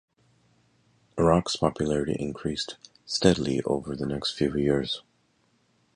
Rock's popularity increased steadily over the next few years.